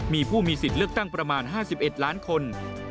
มีผู้มีสิทธิ์เลือกตั้งประมาณ๕๑ล้านคน